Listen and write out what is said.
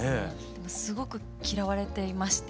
でもすごく嫌われていまして。